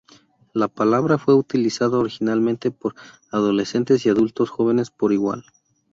La palabra fue utilizada originalmente por adolescentes y adultos jóvenes por igual.